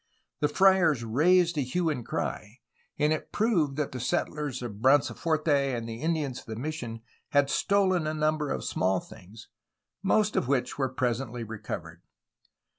The friars raised a hue and cry, and it proved that the settlers of Bran ciforte and the Indians of the mission had stolen a number of small things, most of which were presently recovered.